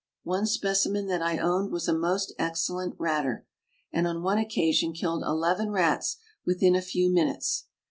One specimen that I owned was a most excellent ratter, and on one occasion killed eleven rats within a few minutes.